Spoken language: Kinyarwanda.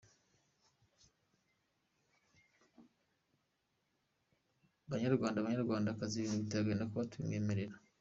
Banyarwanda banyarwandakazi, ibi bintu biteye agahinda kuba tubimwemerera.